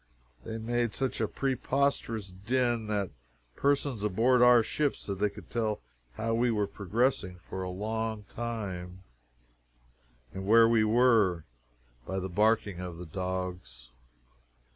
They made such a preposterous din that persons aboard our ship said they could tell how we were progressing for a long time, and where we were, by the barking of the dogs.